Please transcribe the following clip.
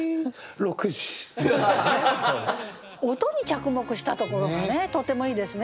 音に着目したところがねとてもいいですね。